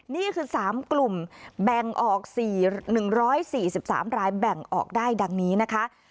นี่คือสามกลุ่มแบ่งออกสี่หนึ่งร้อยสี่สิบสามรายแบ่งออกได้ดังนี้นะคะ